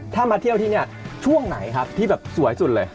ถ้ามาเที่ยวที่นี่ช่วงไหนครับที่แบบสวยสุดเลย